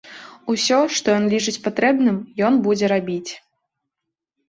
Усё, што ён лічыць патрэбным, ён будзе рабіць.